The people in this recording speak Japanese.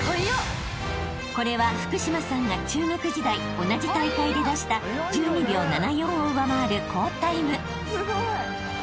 ［これは福島さんが中学時代同じ大会で出した１２秒７４を上回る好タイム］